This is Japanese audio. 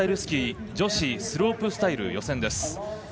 フリースタイル・スキー女子スロープスタイルの予選です。